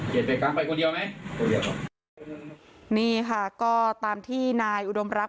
เจ็ดเจ็ดครั้งไปคนเดียวไหมคนเดียวครับนี่ค่ะก็ตามที่นายอุดมรับ